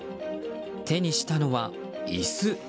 手にしたのは椅子。